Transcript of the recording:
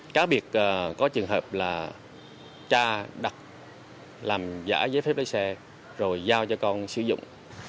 cá biệt có trường hợp là cha đặt làm giả giấy phép lái xe rồi giao cho con sử dụng